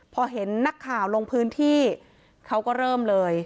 พอเห็นนักข่าวลงพื้นที่เขาก็เริ่มเลย